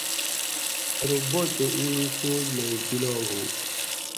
ارو باچہ اِیں سوچ مئی بِلاگ ہُو